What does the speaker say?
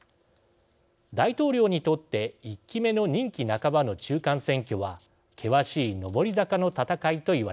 大統領にとって１期目の任期半ばの中間選挙は険しい上り坂の戦いと言われます。